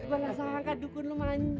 bagaimana sangat dukun lo manjur